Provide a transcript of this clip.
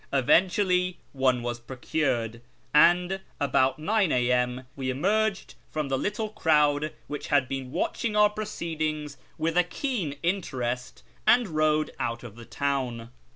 Eventually one was procured, and, about 9 a.m., we emerged from the little crowd which had been watching our proceedings with a keen interest, and rode out of the town.